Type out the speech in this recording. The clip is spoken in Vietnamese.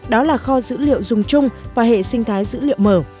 đó là kho dữ liệu dùng chung và hệ sinh thái dữ liệu mở